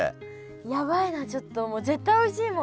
やばいなちょっともう絶対おいしいもん。